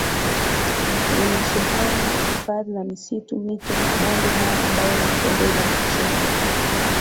limesheheni hifadhi za misitu mito mabonde mawe ambayo yanapendeza machoni